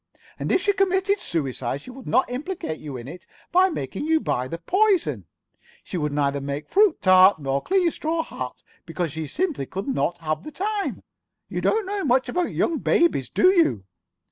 And if she committed suicide, she would not implicate you in it by making you buy the poison. She would neither make fruit tart, nor clean a straw hat, because she simply would not have [Pg 59]the time. You don't know much about young babies, do you?